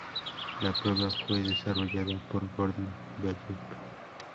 La prueba fue desarrollada por Gordon Gallup Jr.